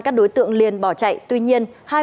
các đối tượng liền bỏ chạy tuy nhiên